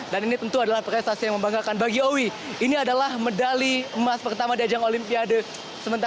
dan ini tentu adalah prestasi yang membanggakan bagi owi ini adalah medali emas pertama di ajang olimpiade